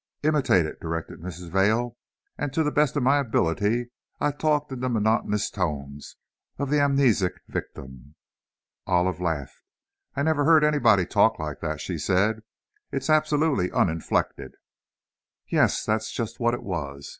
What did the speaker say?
"Imitate it," directed Mrs. Vail, and to the best of my ability I talked in the monotonous tones of the amnesic victim. Olive laughed. "I never heard anybody talk like that," she said. "It's absolutely uninflected." "Yes, that's just what it was.